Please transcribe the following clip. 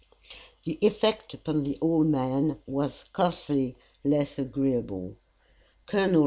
The effect upon the old man was scarcely less agreeable. Col.